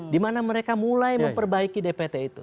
dimana mereka mulai memperbaiki dpt itu